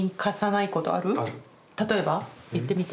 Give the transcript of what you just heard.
例えば？言ってみて。